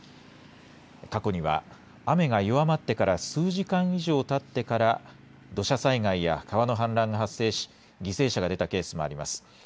過去には雨が弱まってから数時間以上たってから土砂災害や川の氾濫が発生し犠牲者が出たケースもあります。